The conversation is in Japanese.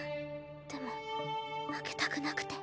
でも負けたくなくて。